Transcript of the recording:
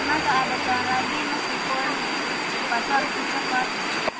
ya karena tak ada jalan lagi meskipun pasal itu cepat